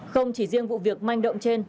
không chỉ riêng vụ việc manh động trên